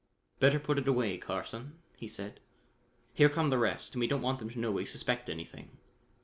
"Better put it away, Carson," he said, "here come the rest and we don't want them to know we suspect anything."